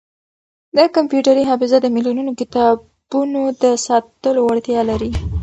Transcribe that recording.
دا کمپیوټري حافظه د ملیونونو کتابونو د ساتلو وړتیا لري.